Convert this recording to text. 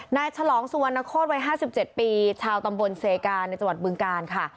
ฉลองสุวรรณโคตรวัย๕๗ปีชาวตำบลเซกาในจังหวัดบึงกาลค่ะ